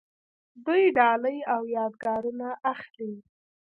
دوی ډالۍ او یادګارونه اخلي.